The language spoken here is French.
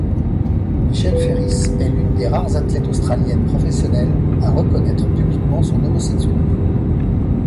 Michelle Ferris est l'une des rares athlètes australiennes professionnelles à reconnaître publiquement son homosexualité.